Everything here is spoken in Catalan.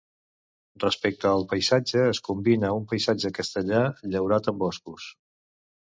Respecte al paisatge es combina un paisatge castellà llaurat amb boscos.